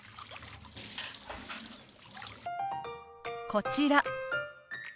こちら。